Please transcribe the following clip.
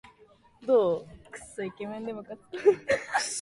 彼の行動を理解していた人も誰もいなかった